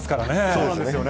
そうなんですよね。